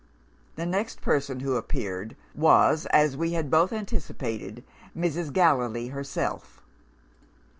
"The next person who appeared was, as we had both anticipated, Mrs. Gallilee herself.